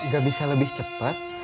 gak bisa lebih cepat